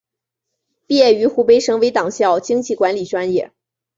毕业于湖北省委党校经济管理专业。